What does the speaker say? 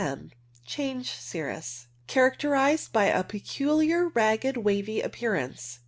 Change cirrus. Characterized by a peculiar ragged, wavy appearance.